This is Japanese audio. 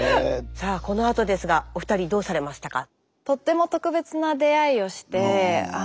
さあこのあとですがお二人どうされましたか？